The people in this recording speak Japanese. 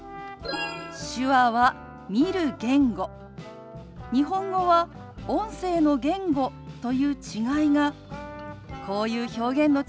手話は見る言語日本語は音声の言語という違いがこういう表現の違いになることがあるんですよ。